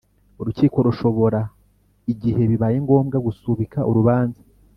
Urukiko rushobora igihe bibaye ngombwa gusubika urubanza.